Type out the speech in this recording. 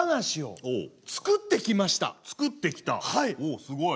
おすごい。